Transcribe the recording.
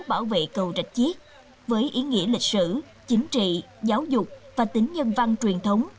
bảo vệ cầu rạch chiếc với ý nghĩa lịch sử chính trị giáo dục và tính nhân văn truyền thống